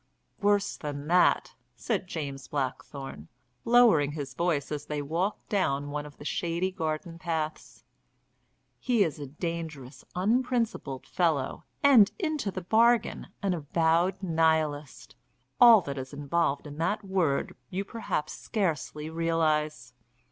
"Worse than that," said James Blackthorne, lowering his voice as they walked down one of the shady garden paths. "He is a dangerous, unprincipled fellow, and into the bargain an avowed Nihilist. All that is involved in that word you perhaps scarcely realise."